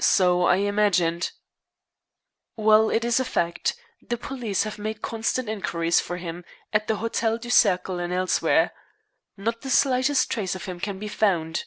"So I imagined." "Well, it is a fact. The police have made constant inquiries for him at the Hotel du Cercle and elsewhere. Not the slightest trace of him can be found."